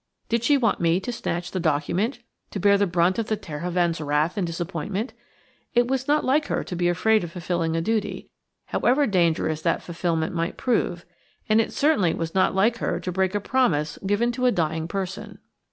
Did she want me to snatch the document: to bear the brunt of the Terhovens' wrath and disappointment? It was not like her to be afraid of fulfilling a duty, however dangerous that fulfilment might prove; and it certainly was not like her to break a promise given to a dying person.